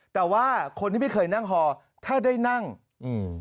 แต่ว่าคนที่ไม่เคยนั่งฮอถ้าได้นั่งอืม